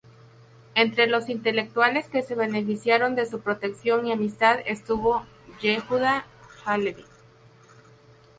Entre los intelectuales que se beneficiaron de su protección y amistad estuvo Yehudah Halevi.